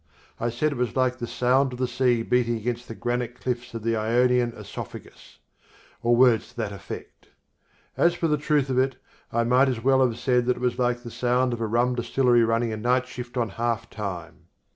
I said it was like the sound of the sea beating against the granite cliffs of the Ionian Esophagus: or words to that effect. As for the truth of it, I might as well have said that it was like the sound of a rum distillery running a night shift on half time.